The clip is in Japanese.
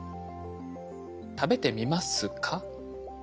食べてみますか？